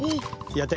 やって。